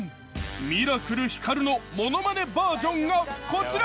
ミラクルひかるのものまねバージョンがこちら！